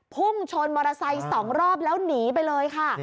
พุ่งชนมอเตอร์ไซค์๒รอบแล้วหนีไปเลยค่ะ